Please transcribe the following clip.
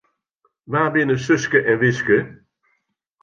Wa binne Suske en Wiske?